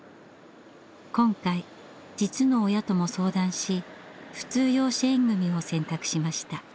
今回実の親とも相談し普通養子縁組を選択しました。